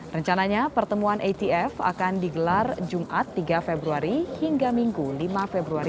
rencananya pertemuan atf akan digelar jumat tiga februari hingga minggu lima februari